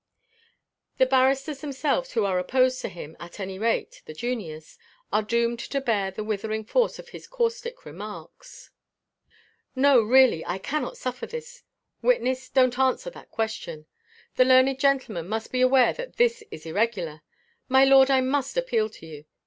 The barristers themselves who are opposed to him, at any rate, the juniors, are doomed to bear the withering force of his caustic remarks. "No, really, I cannot suffer this; witness, don't answer that question. The learned gentleman must be aware that this is irregular; my lord, I must appeal to you.